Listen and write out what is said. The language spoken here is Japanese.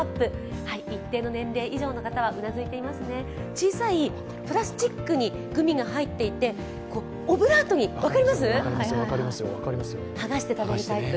小さなプラスチックにグミが入っていて、オブラートを剥がして食べるタイプ。